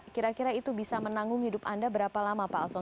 kira kira itu bisa menanggung hidup anda berapa lama pak alson